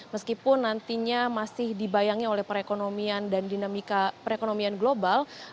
meskipun nantinya masih dibayangi oleh perekonomian dan dinamika perekonomian global